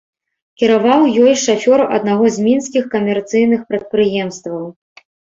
Кіраваў ёй шафёр аднаго з мінскіх камерцыйных прадпрыемстваў.